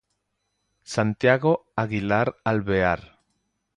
Santiago Aguilar Alvear.